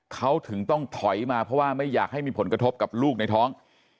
เขาถึงต้องถอยมาเพราะว่าไม่อยากให้มีผลกระทบกับลูกในท้อง